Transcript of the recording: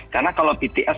karena kalau bts